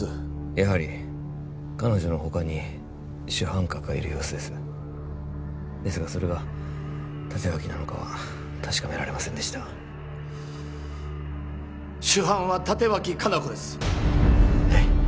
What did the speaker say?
やはり彼女の他に主犯格がいる様子ですですがそれが立脇なのかは確かめられませんでした主犯は立脇香菜子ですえっ？